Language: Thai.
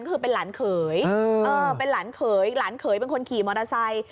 ก็คือเป็นหลานเขยหลานเขยเป็นคนขี่มอเตอร์ไซค์